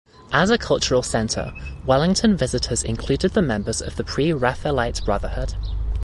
As a cultural centre, Wallington visitors included the members of the Pre-Raphaelite Brotherhood.